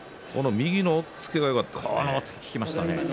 右の押っつけがよかったですね。